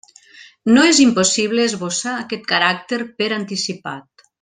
No és impossible esbossar aquest caràcter per anticipat.